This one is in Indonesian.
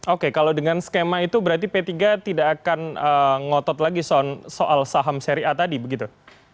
oke kalau dengan skema itu berarti p tiga tidak akan ngotot lagi soal saham seri a tadi begitu